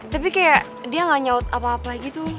tapi kayak dia gak nyaut apa apa gitu